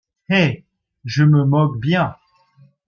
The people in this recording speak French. Eh ! je me moque bien…